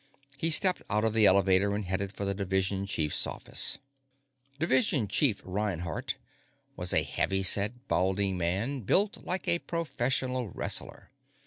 He stepped out of the elevator and headed for the Division Chief's office. Division Chief Reinhardt was a heavy set, balding man, built like a professional wrestler.